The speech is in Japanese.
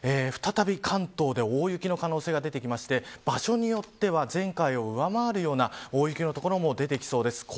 再び関東で大雪の可能性が出てきまして場所によっては、前回を上回るような大雪の所も出てきそうです。